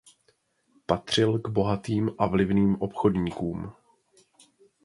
Patřil k bohatým a vlivným obchodníkům.